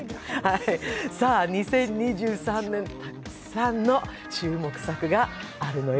２０２３年の注目作があるのよ。